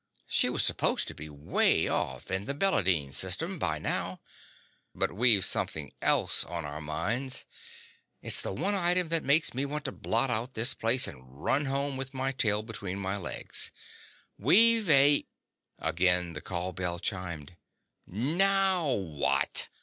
She was supposed to be way off in the Balandine System by now. But we've something else on our minds. It's the one item that makes me want to blot out this place, and run home with my tail between my legs. We've a—" Again the call bell chimed. "NOW WHAT?"